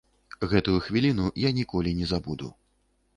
Гэтую хвіліну я ніколі не забуду.